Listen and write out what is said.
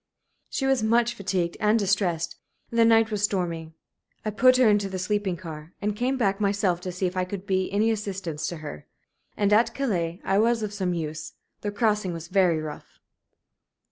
She was much fatigued and distressed, and the night was stormy. I put her into the sleeping car, and came back myself to see if I could be any assistance to her. And at Calais I was of some use. The crossing was very rough."